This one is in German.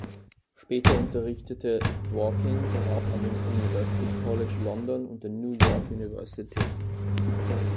Später unterrichtete Dworkin auch am University College London und der New York University.